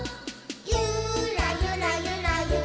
「ゆらゆらゆらゆらら！」